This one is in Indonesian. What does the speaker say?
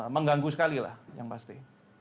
mengganggu sekali lah yang pasti